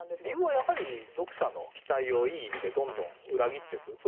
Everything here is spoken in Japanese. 理由はやはり読者の期待をいい意味でどんどん裏切っていく。